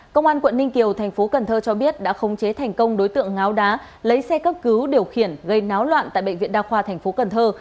công an quận ninh kiều thành phố cần thơ cho biết đã khống chế thành công đối tượng ngáo đá lấy xe cấp cứu điều khiển gây náo loạn tại bệnh viện đa khoa thành phố cần thơ